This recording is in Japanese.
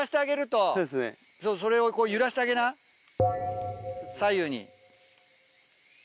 それを揺らしてあげな左右に。